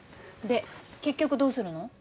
で結局どうするの？